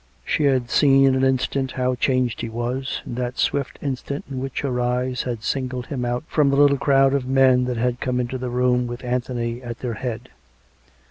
She liad seen in an instant how changed he was, in that swift instant in which her eyes had singled him out from the little crowd of men that had come into the room with Anthony at their head.